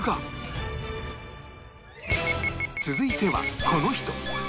続いてはこの人